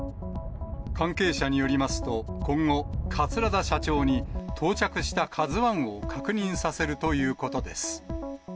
関係者によりますと、今後、桂田社長に到着したＫＡＺＵＩを確認させるということです。